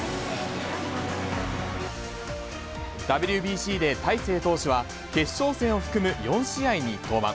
ＷＢＣで大勢投手は、決勝戦を含む４試合に登板。